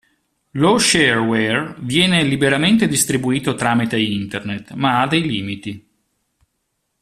Lo shareware viene liberamente distribuito tramite internet ma ha dei limiti.